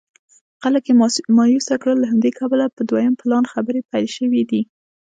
خلک یې مایوسه کړل له همدې کبله په دویم پلان خبرې پیل شوې دي.